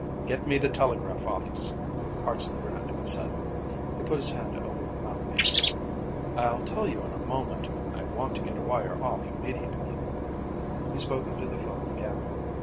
"Give me the telegraph office," Hartson Brant said. He put his hand over the mouthpiece. "I'll tell you in a moment. I want to get a wire off immediately." He spoke into the phone again.